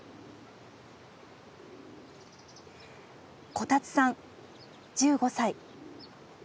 こたつさん１５歳。